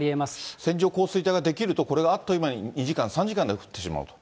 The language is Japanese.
線状降水帯が出来ると、これがあっという間に２時間、３時間で降ってしまう。